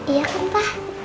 iya kan pak